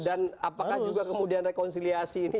dan apakah juga kemudian rekonsiliasi ini